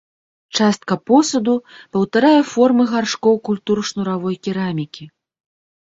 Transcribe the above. Частка посуду паўтарае формы гаршкоў культур шнуравой керамікі.